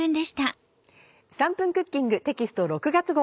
『３分クッキング』テキスト６月号。